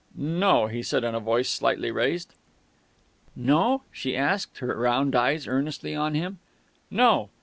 "No," he said in a voice slightly raised. "No?" she asked, her round eyes earnestly on him. "No."